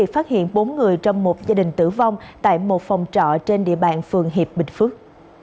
phòng trọ trên địa bàn phường hiệp bình phước